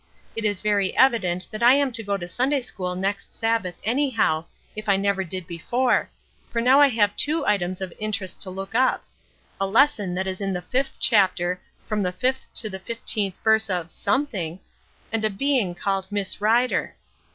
It is very evident that I am to go to Sunday school next Sabbath anyhow, if I never did before, for now I have two items of interest to look up a lesson that is in the 'fifth chapter, from the fifth to the fifteenth verse of something,' and a being called 'Miss Rider.'"